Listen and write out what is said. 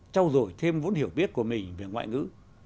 trao dổi thêm vốn hiểu biết của mình về ngoại ngữ